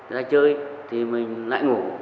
rồi chơi thì mình lại ngủ